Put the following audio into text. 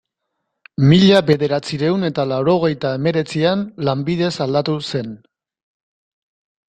Mila bederatziehun eta laurogeita hemeretzian, lanbidez aldatu zen.